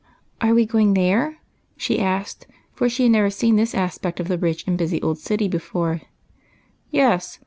" Are we going there ?" she asked, for she had never seen this aspect of the rich and busy old city before. " Yes.